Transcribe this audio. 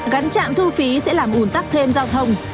gắn trạm thu phí sẽ làm ủn tắc thêm giao thông